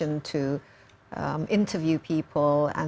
untuk menginterview orang orang